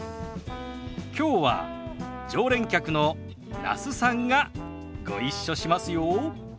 きょうは常連客の那須さんがご一緒しますよ。